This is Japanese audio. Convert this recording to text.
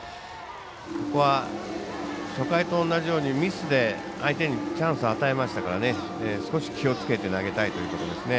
ここは、初回と同じようにミスで相手にチャンスを与えましたから少し気をつけて投げたいというところですね。